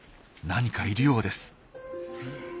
何かいるようです。